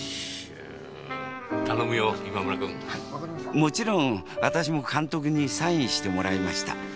〔頼むよ今村君〕もちろん私も監督にサインしてもらいました。